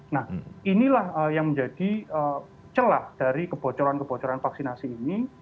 nah inilah yang menjadi celah dari kebocoran kebocoran vaksinasi ini